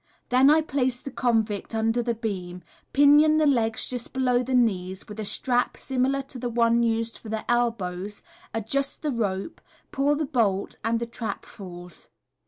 Then I place the convict under the beam, pinion the legs just below the knees, with a strap similar to the one used for the elbows, adjust the rope, pull the bolt and the trap falls.